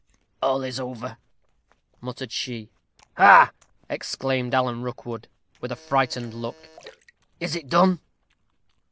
"All is over," muttered she. "Ha!" exclaimed Alan Rookwood, with a frightful look. "Is it done?"